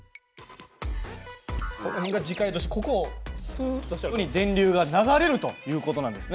この辺が磁界としてここをスッとしたら電流が流れるという事なんですね。